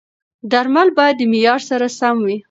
درمل باید د معیار سره سم وي.